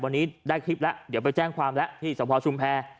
วันนี้ได้คลิปแล้วเดี๋ยวไปแจ้งความแล้วที่สภชุมแพร